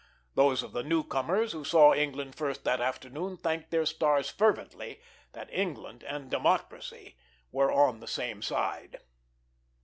Those of the newcomers who saw England first that afternoon thanked their stars fervently that England and democracy were on the same side.